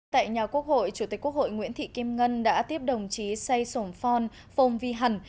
tại nhà quốc hội chủ tịch quốc hội nguyễn thị kim ngân đã tiếp đồng chí say sổn phon phong phong vi hẳn